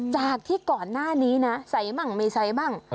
จากที่ก่อนหน้านี้นะใส่มั่งไม่ใส่บ้าง